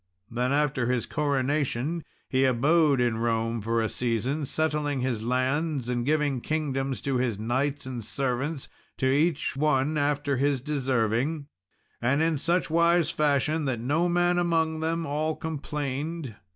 Then after his coronation, he abode in Rome for a season, settling his lands and giving kingdoms to his knights and servants, to each one after his deserving, and in such wise fashion that no man among them all complained.